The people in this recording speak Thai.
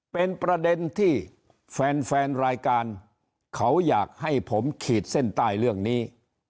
เป็นประเด็นที่แฟนแฟนรายการเขาอยากให้ผมขีดเส้นใต้เรื่องนี้